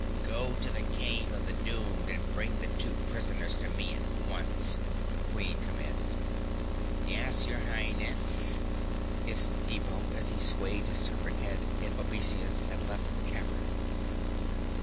"Go to the Cave of the Doomed and bring the two prisoners to me at once," the Queen commanded. "Yes, your Highness," hissed Ebo as he swayed his serpent head in obeisance and left the cavern.